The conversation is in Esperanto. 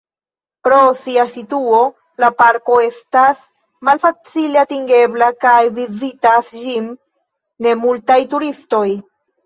Pro sia situo la parko estas malfacile atingebla kaj vizitas ĝin ne multaj turistoj.